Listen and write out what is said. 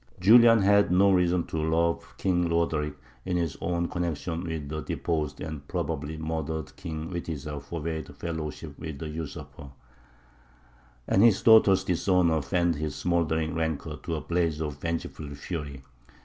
Julian had no reason to love King Roderick; his own connection with the deposed and probably murdered King Witiza forbade fellowship with the usurper; and his daughter's dishonour fanned his smouldering rancour to a blaze of vengeful fury.